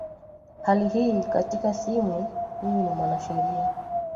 hali hii katika simu huyu ni mwanasheria